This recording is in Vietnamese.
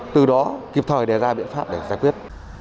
từ đó kịp thời đề ra biện pháp để giải quyết